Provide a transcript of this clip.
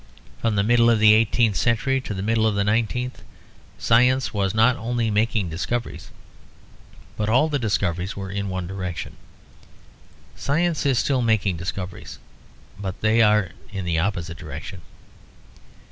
From the middle of the eighteenth century to the middle of the nineteenth, science was not only making discoveries, but all the discoveries were in one direction. Science is still making discoveries; but they are in the opposite direction.